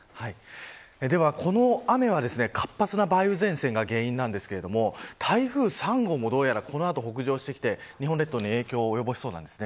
ではこの雨は、活発な梅雨前線が原因なんですが台風３号もどうやらこの後、北上してきて日本列島に影響を及ぼしそうです。